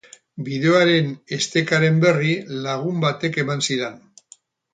Bideoaren estekaren berri lagun batek eman zidan.